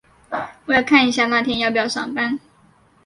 我要看一下那天要不要上班。